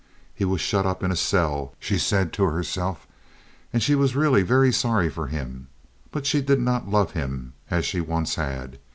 He was shut up in a cell, she said to herself, and she was really very sorry for him, but she did not love him as she once had.